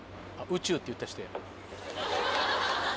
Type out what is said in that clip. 「宇宙」って言った人や。